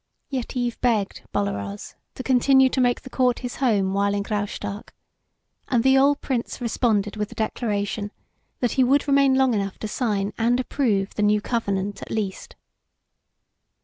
Yetive begged Bolaroz to continue to make the Court his home while in Graustark, and the old Prince responded with the declaration that he would remain long enough to sign and approve the new covenant, at least.